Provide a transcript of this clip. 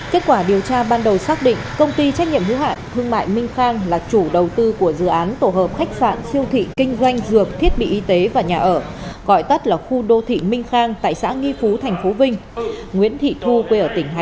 kết quả điều tra ban đầu xác định công ty trách nhiệm hữu hạn thương mại minh khang là chủ đầu tư của dự án tổ hợp khách sạn siêu thị kinh doanh dược thiết bị y tế và nhà ở gọi tắt là khu đô thị minh khang tại xã nghi phú tp vinh